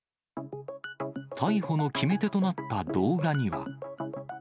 逮捕の決め手となった動画には。